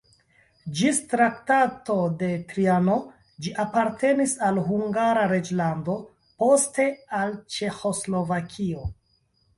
Ĝis Traktato de Trianon ĝi apartenis al Hungara reĝlando, poste al Ĉeĥoslovakio.